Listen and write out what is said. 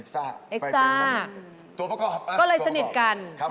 ใช่ค่ะ